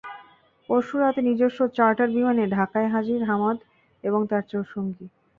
পরশু রাতে নিজস্ব চার্টার্ড বিমানে ঢাকায় হাজির হামাদ এবং তাঁর চার সঙ্গী।